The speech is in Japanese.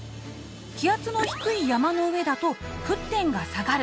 気圧の低い山の上だと沸点が下がる。